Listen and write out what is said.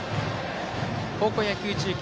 高校野球中継